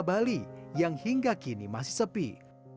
pada hari ini penutupan penutupan ini menyebabkan penyakit